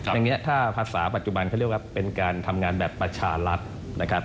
อย่างนี้ถ้าภาษาปัจจุบันเขาเรียกว่าเป็นการทำงานแบบประชารัฐนะครับ